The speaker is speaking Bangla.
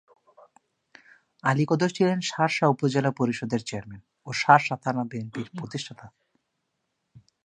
আলী কদর ছিলেন শার্শা উপজেলা পরিষদের চেয়ারম্যান ও শার্শা থানা বিএনপির প্রতিষ্ঠাতা ছিলেন।